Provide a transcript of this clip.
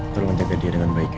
tolong menjaga dia dengan baik